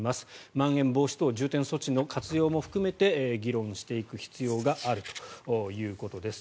まん延防止等重点措置の活用も含めて議論していく必要があるということです。